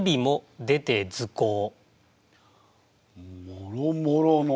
「もろもろの」。